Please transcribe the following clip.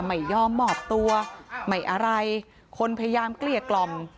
ไม่ยอมมอบตัวไม่อะไรคนพยายามเกลี้ยกล่อม